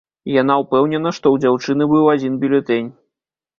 Яна ўпэўнена, што ў дзяўчыны быў адзін бюлетэнь.